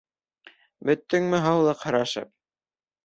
Бөттөңмө һаулыҡ һорашып?